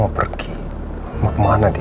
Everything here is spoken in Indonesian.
olah katanya kita jalan pas dia